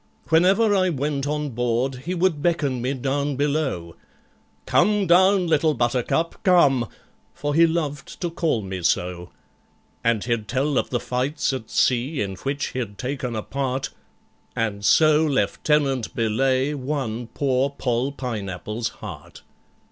Whenever I went on board he would beckon me down below, "Come down, Little Buttercup, come" (for he loved to call me so), And he'd tell of the fights at sea in which he'd taken a part, And so LIEUTENANT BELAYE won poor POLL PINEAPPLE'S heart!